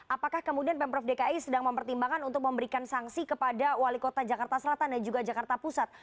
apakah kemudian pemprov dki sedang mempertimbangkan untuk memberikan sanksi kepada wali kota jakarta selatan dan juga jakarta pusat